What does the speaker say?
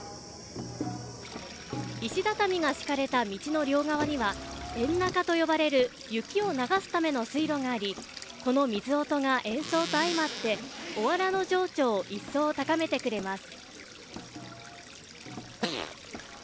石畳が敷かれた道の両側にはエンナカと呼ばれる雪を流すための水路がありこの水音が、演奏と相まっておわらの情緒を一層高めてくれます。